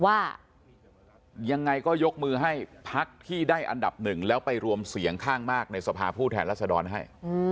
ว่ายังไงก็ยกมือให้พักที่ได้อันดับหนึ่งแล้วไปรวมเสียงข้างมากในสภาผู้แทนรัศดรให้